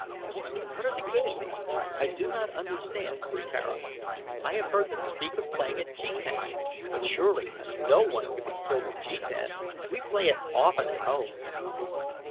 "What are the games? I do not understand," said Tara "I have heard them speak of playing at jetan, but surely no one can be killed at jetan. We play it often at home."